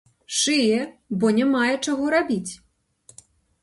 Шые, бо не мае чаго рабіць.